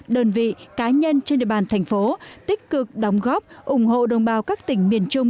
đơn vị cá nhân trên địa bàn thành phố tích cực đóng góp ủng hộ đồng bào các tỉnh miền trung